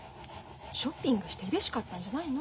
ショッピングしてうれしかったんじゃないの？